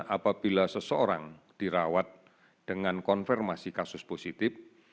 apabila seseorang dirawat dengan konfirmasi kasus positif